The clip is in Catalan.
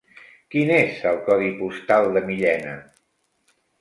Quin és el codi postal de Millena?